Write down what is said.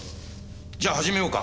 じゃあ始めようか。